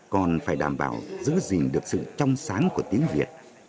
còn phải đảm bảo giữ gìn được sự trong sáng của tiếng việt